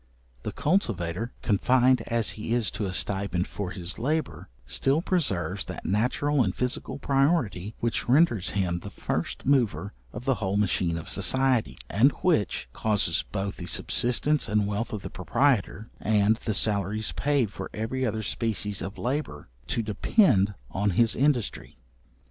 The cultivator, confined as he is to a stipend for his labour, still preserves that natural and physical priority which renders him the first mover of the whole machine of society, and which causes both the subsistence and wealth of the proprietor, and the salaries paid for every other species of labour, to depend on his industry.